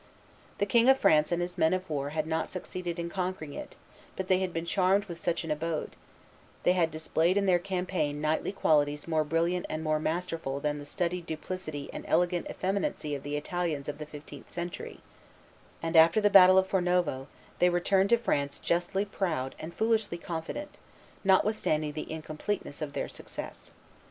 The King of France and his men of war had not succeeded in conquering it, but they had been charmed with such an abode; they had displayed in their campaign knightly qualities more brilliant and more masterful than the studied duplicity and elegant effeminacy of the Italians of the fifteenth century, and, after the battle of Fornovo, they returned to France justly proud and foolishly confident, notwithstanding the incompleteness of their success.